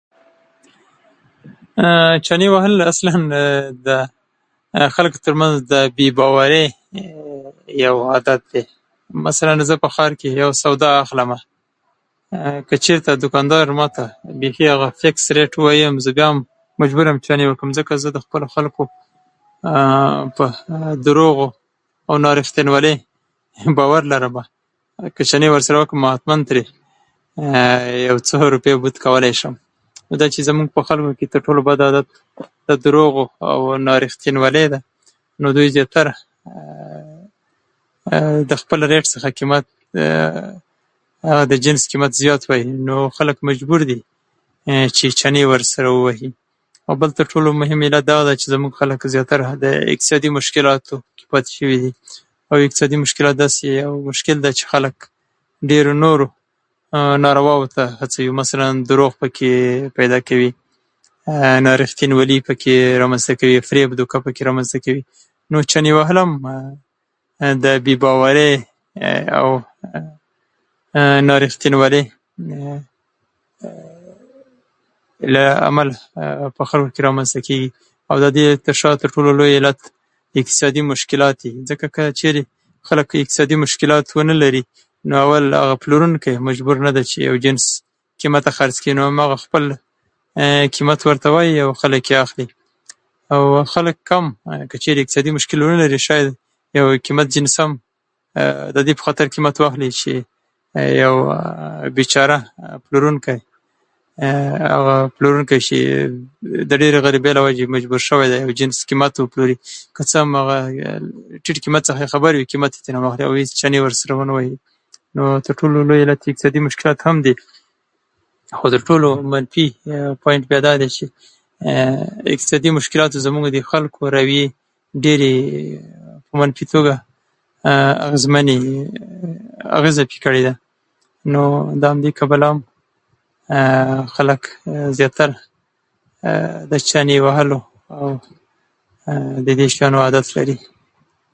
چنې وهل اصلا د خلکو تر منځ د بې باورۍ یو عادت دی. مثلا زه په ښار کې یو سودا اخلم؛ که چیرته دوکاندار حتی بیخي هغه فیکس رېت هم ووايي، ځکه زه د خپلو خلکو په دروغو او نارښتینولۍ باور لرمه، که چنې ورسره وکمه، نو حتما ورڅخه څو روپۍ بود کولای شمه. نو دا چې زموږ په خلکو کې د بد عادت د دروغو او نارښتینولۍ ده، نو زیاتره د خپل د رېت څخه قیمت، د جنس قیمت زیات وايي. نو خلک مجبور دي چې چنې ورسره ووهي. او بل تر ټولو مهم علت دا دی چې زموږ خلک زیاتره په اقتصادي مشکل کې پاتې شوي دي. او اقتصادي مشکل داسې یو مشکل دی چې خلک ډېرو نورو نارواوو ته هڅوي؛ مثلا دروغ پکې پیدا کوي، نارښتینولي پکې رامنځته کوي، فریب، دوکه پکې رامنځته کوي. نو چنه هم د بې باورۍ او نارښتینولۍ له امله په خلکو کې رامنځته کېږي، او د دې ترشا تر ټولو لوی علت اقتصادي مشکلات دي. ځکه که چیرې خلک اقتصادي مشکلات ونه لري، نو اول هغه پلورونکی مجبور نه ده چې هغه جنس قیمته خرڅ کړي. نو هغه خپل قیمت ورته وايي، او خلک یې اخلي. او خلک هم که چیرې اقتصادي مشکل ونه لري، شاید یو قیمت جنس هم د دې په خاطر هم قیمت واخلي چې یو بیچاره پلورونکی، هغه پلورنکی چې د ډېرې غریبۍ له وجې مجبور شوی دی چې جنس قیمت وپلوري، که څه هم د ټیټ قیمت څخه یې خبر وي، او قیمت یې ترې واخلي، او چنې ورسره ونه وهي. نو تر ټولو لوی مشکل یې اقتصادي مشکلات هم دي، خو تر ټولو منفي پواينټ یې بیا دا دی چې اقتصادي مشکلاتو زموږ د خلکو رویې په ډېرې منفي توګه اغېزمنې، اغېزه پرې کړې ده. نو د همدې کبله هم خلک زیاتره د چنې وهلو او د دې شیانو عادت لري.